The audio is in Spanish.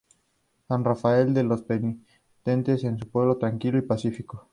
San Rafael de los Penitentes es un pueblo tranquilo y pacífico.